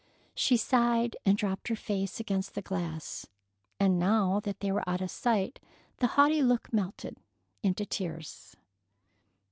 She sighed and dropped her face against the glass, and, now that they were out of sight, the haughty look melted into tears.